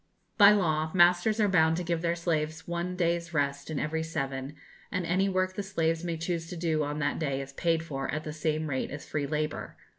] By law, masters are bound to give their slaves one day's rest in every seven, and any work the slaves may choose to do on that day is paid for at the same rate as free labour.